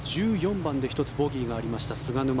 １４番で１つボギーがありました菅沼。